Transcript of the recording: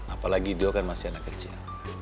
apalagi beliau kan masih anak kecil